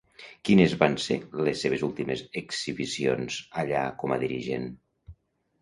Quines van ser les seves últimes exhibicions allà com a dirigent?